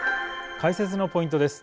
解説のポイントです。